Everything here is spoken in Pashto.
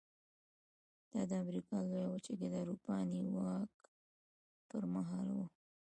دا د امریکا لویه وچه کې د اروپایي نیواک پر مهال و.